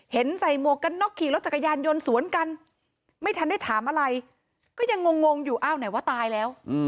ใส่หมวกกันน็อกขี่รถจักรยานยนต์สวนกันไม่ทันได้ถามอะไรก็ยังงงอยู่อ้าวไหนว่าตายแล้ว